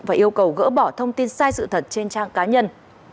và yêu cầu gỡ bỏ thông tin sai sự thật trên trang cá nhân